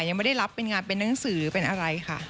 ยังไม่ได้รับเป็นงานเป็นนังสือเป็นอะไรค่ะ